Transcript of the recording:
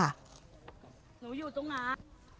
หนูอยู่ตรงนั้น